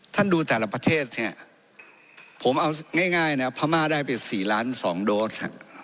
ดูแต่ละประเทศเนี่ยผมเอาง่ายนะพม่าได้ไป๔ล้าน๒โดส